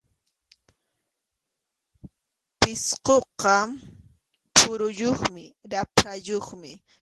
Pisquqa phuruyuq raprayuqmi.